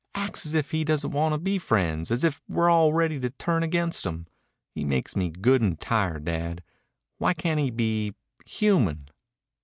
Acts as if he doesn't want to be friends, as if we're all ready to turn against him. He makes me good and tired, Dad. Why can't he be human?"